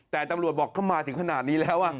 แต่ตำรวจบอกเข้ามาถึงขนาดนี้แล้ว